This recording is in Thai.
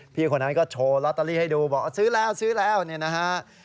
พี่คนนั้นก็โชว์ลอตเตอรี่ให้ดูบอกว่าซื้อแล้วนี่นะฮะ